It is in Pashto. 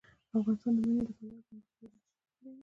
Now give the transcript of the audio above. افغانستان د منی له پلوه له نورو هېوادونو سره اړیکې لري.